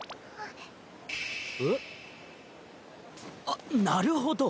あっなるほど。